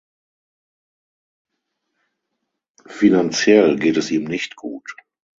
Finanziell geht es ihm nicht gut.